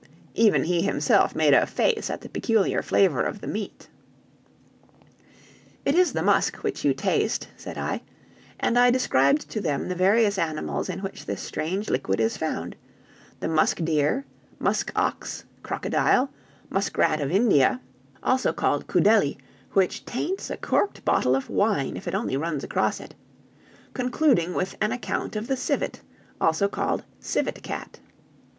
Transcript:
Even he himself made a face at the peculiar flavor of the meat. "It is the musk which you taste," said I; and I described to them the various animals in which this strange liquid is found; the musk deer, musk ox, crocodile, muskrat of India (also called coudeli, which taints a corked bottle of wine, if it only runs across it), concluding with an account of the civet, called also civet cat.